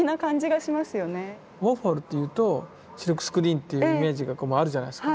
ウォーホルっていうとシルクスクリーンっていうイメージがあるじゃないですか。